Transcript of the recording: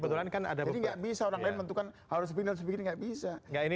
jadi nggak bisa orang lain menentukan harus sebegini harus sebegini